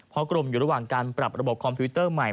เพราะกรมอยู่ระหว่างการปรับระบบคอมพิวเตอร์ใหม่